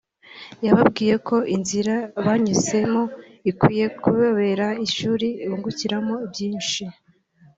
yababwiye ko inzira banyuzemo ikwiye kubabera ishuri bungukiramo byinshi